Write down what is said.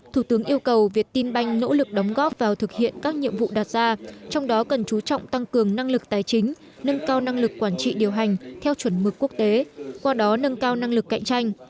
thủ tướng yêu cầu việt tin banh nỗ lực đóng góp vào thực hiện các nhiệm vụ đạt ra trong đó cần chú trọng tăng cường năng lực tài chính nâng cao năng lực quản trị điều hành theo chuẩn mực quốc tế qua đó nâng cao năng lực cạnh tranh